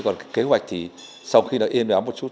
cái kế hoạch thì sau khi nó yên đoán một chút